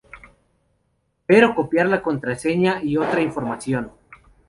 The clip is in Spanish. ver o copiar la contraseña y otra información